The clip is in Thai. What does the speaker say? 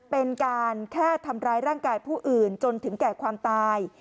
เป็นการแค่ทำร้ายร่างกายผู้อื่นจนถึงแก่ความตาย